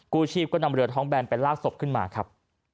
กู้ชีพก็นำเรือท้องแบนไปลากศพขึ้นมาครับ